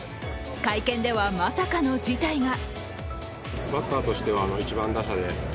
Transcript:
会見では、まさかの事態が。